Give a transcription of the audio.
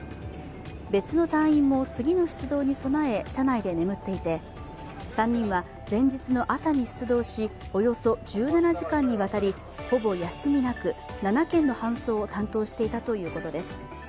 別の隊員も次の出動に備え車内で眠っていて３人は前日の朝に出動しおよそ１７時間にわたりほぼ休みなく７件の搬送を担当していたということです。